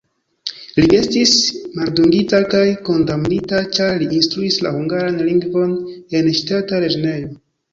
Li estis maldungita kaj kondamnita, ĉar li instruis la hungaran lingvon en ŝtata lernejo.